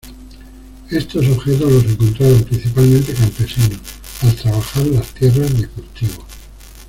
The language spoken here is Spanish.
Estos objetos los encontraron principalmente campesinos, al trabajar las tierras de cultivo.